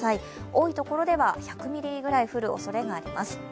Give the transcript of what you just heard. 多いところでは１００ミリぐらい降るおそれがあります。